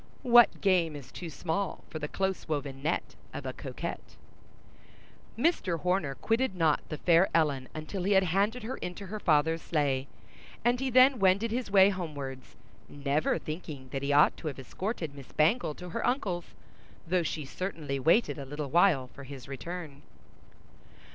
What game is too small for the close woven net of a coquette? Mr. Horner quitted not the fair Ellen until he had handed her into her father's sleigh; and he then wended his way homewards, never thinking that he ought to have escorted Miss Bangle to her uncle's, though she certainly waited a little while for his return.